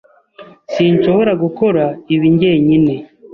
Sinshobora gukora ibi njyenyine.